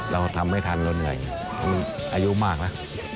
เราทำไม่ทันลงหน่อยอายุมากนะ